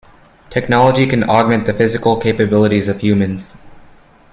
Technology can augment the physical capabilities of humans.